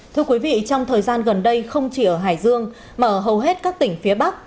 thưa quý vị trong thời gian gần đây không chỉ ở hải dương mà ở hầu hết các tỉnh phía bắc